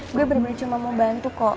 gue bener bener cuma mau bantu kok